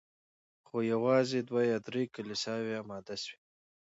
خو یوازي دوه یا درې کلیساوي اماده سوې